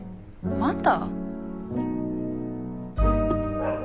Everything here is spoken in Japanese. また？